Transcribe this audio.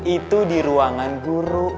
itu di ruangan guru